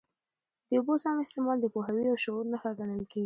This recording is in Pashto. د اوبو سم استعمال د پوهاوي او شعور نښه ګڼل کېږي.